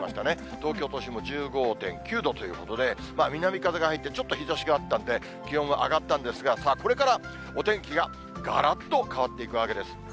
東京都心も１５．９度ということで、南風が入ってちょっと日ざしがあったんで、気温は上がったんですが、これからお天気ががらっと変わっていくわけです。